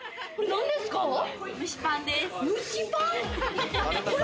蒸しパンです。